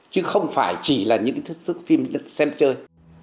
chứ không phải chỉ là những thức giấc phim được xem chơi